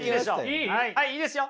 はいいいですよ。